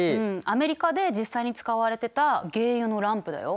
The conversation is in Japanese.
アメリカで実際に使われてた鯨油のランプだよ。